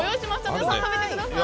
皆さん、食べてください。